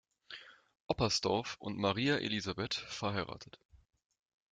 Oppersdorff und Maria Elisabeth, verh.